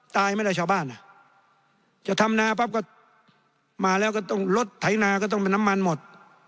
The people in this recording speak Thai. ไม่ได้ชาวบ้านอ่ะจะทำนาปั๊บก็มาแล้วก็ต้องลดไถนาก็ต้องเป็นน้ำมันหมด